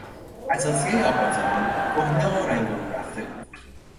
اثاثیهی آپارتمان کهنه و رنگ و رو رفته بود.